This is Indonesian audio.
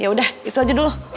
ya udah itu aja dulu